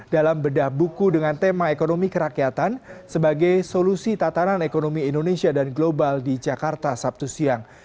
dalam bedah buku dengan tema ekonomi kerakyatan sebagai solusi tatanan ekonomi indonesia dan global di jakarta sabtu siang